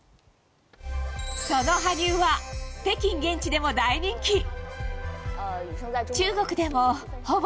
その羽生は北京現地でも大人気。